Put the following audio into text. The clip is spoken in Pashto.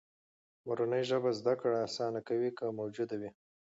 مورنۍ ژبه زده کړه آسانه کوي، که موجوده وي.